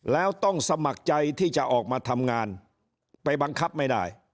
แล้วต้องสมัครใจที่จะออกมาทำงานไปบังคับไม่ได้